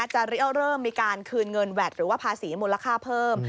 จะเริ่มมีการคืนเงินแวดหรือว่าภาษีมูลค่าเพิ่ม